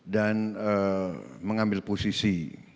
dan mengambil posisi